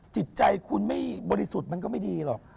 จิตใจคุณไม่บริสุทธิ์มันก็ไม่ดีหรอก